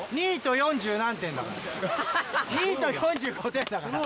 ２位と４５点だから。